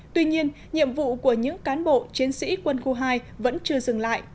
tuy nhiên nhiệm vụ của những cán bộ chiến sĩ quân khu hai vẫn chưa dừng lại